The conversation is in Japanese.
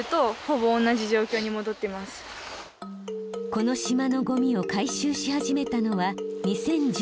この島のゴミを回収し始めたのは２０１５年。